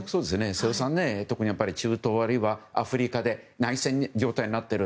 瀬尾さん、中東やあるいはアフリカで内戦状態になっている。